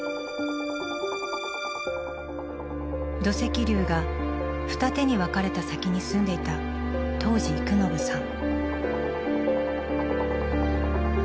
土石流が二手に分かれた先に住んでいた東司幾信さん。